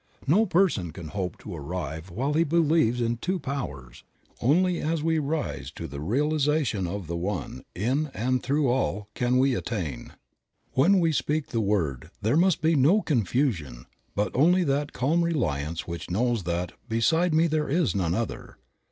No person can hope to arrive while he believes in two powers ; only as we rise to the realization of the One in and through all can we attain. When we speak the word there must be no confusion but only that calm reliance which knows that "Beside me there is none other."